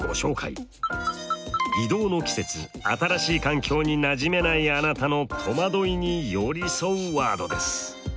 異動の季節新しい環境になじめないあなたの戸惑いによりそワードです。